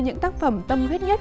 những tác phẩm tâm huyết nhất